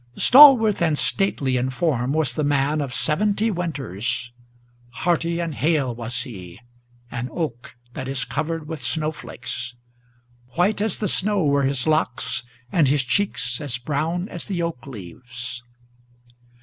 Stalworth and stately in form was the man of seventy winters; Hearty and hale was he, an oak that is covered with snow flakes; White as the snow were his locks, and his cheeks as brown as the oak leaves.